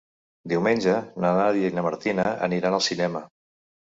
Diumenge na Nàdia i na Martina aniran al cinema.